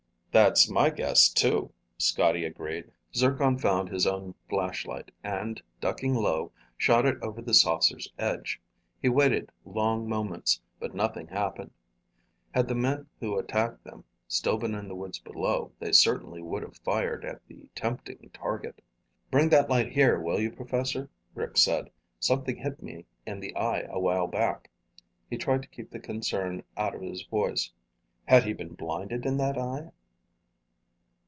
"That's my guess, too," Scotty agreed. Zircon found his own flashlight, and, ducking low, shot it over the saucer's edge. He waited long moments, but nothing happened. Had the men who attacked them still been in the woods below, they certainly would have fired at the tempting target. "Bring that light here, will you, professor?" Rick called. "Something hit me in the eye awhile back." He tried to keep the concern out of his voice. Had he been blinded in that eye?